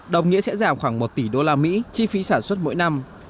đồng nghĩa sẽ giảm khoảng một tỷ usd chi phí sản xuất mỗi năm